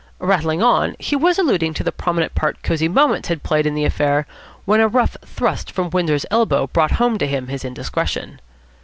Rattling on, he was alluding to the prominent part Cosy Moments had played in the affair, when a rough thrust from Windsor's elbow brought home to him his indiscretion.